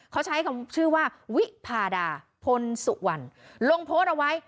เขาใช้คำชื่อว่าวิพาดาพลสุวรรณลงโพสต์เอาไว้